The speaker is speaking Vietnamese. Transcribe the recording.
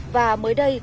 và mới đây